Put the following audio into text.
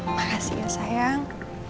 makasih ya sayang